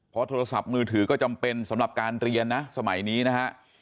เพราะโทรศัพท์มือถือก็จำเป็นสำหรับการเรียนนะสมัยนี้นะฮะ